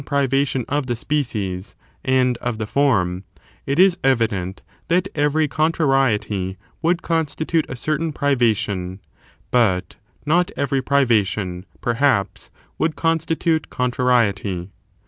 privation of the species and of the form, it is evi dent that every contrariety would constitute a certain priva tion, but not every privation, perhaps, would constitute con trariety.